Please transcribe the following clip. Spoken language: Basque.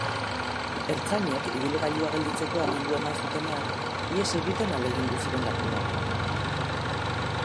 Ertzainek ibilgailua gelditzeko agindua eman zutenean, ihes egiten ahalegindu ziren lapurrak.